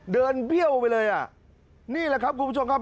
เบี้ยวไปเลยอ่ะนี่แหละครับคุณผู้ชมครับ